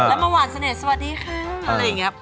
ละมาวานเสน่ห์สวัสดีค่ะ